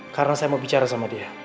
karena saya mau bicara sama dia